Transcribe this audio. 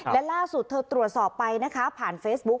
และล่าสุดเธอตรวจสอบไปนะคะผ่านเฟซบุ๊ค